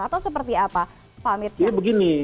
atau seperti apa pak mirchand